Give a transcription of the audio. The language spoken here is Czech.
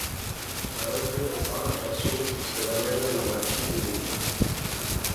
Na rozdíl od "Pána času" se zaměřuje na mladší publikum.